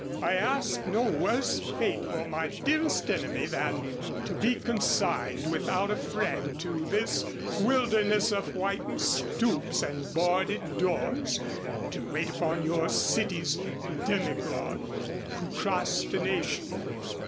"I ask no worse fate for my dearest enemy than to be consigned without a friend to this wilderness of whitened stoops and boarded doors to wait upon your city's demigod, Procrastination.